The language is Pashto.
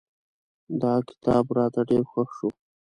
دا کتاب راته ډېر خوښ شو.